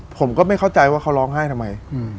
ผมก็ไม่เข้าใจว่าเขาร้องไห้ทำไม